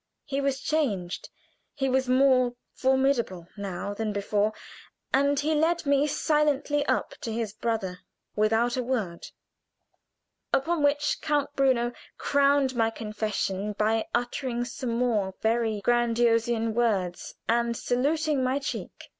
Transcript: He was changed; he was more formidable now than before, and he led me silently up to his brother without a word, upon which Count Bruno crowned my confusion by uttering some more very Grandisonian words and gravely saluting my cheek.